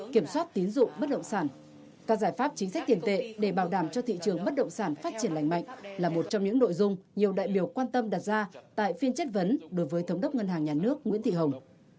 các giải pháp chính sách tiền tệ để bảo đảm cho thị trường bất động sản phát triển lành mạnh là một trong những nội dung nhiều đại biểu quan tâm đặt ra tại phiên chất vấn đối với thống đốc ngân hàng nhà nước nguyễn thị hồng